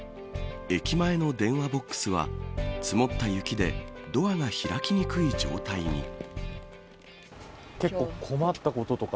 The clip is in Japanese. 駅前の電話ボックスは積もった雪でドアが開きにくい状態に。